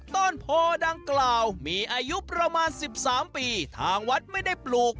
ต้นโพดังกล่าวมีอายุประมาณ๑๓ปีทางวัดไม่ได้ปลูก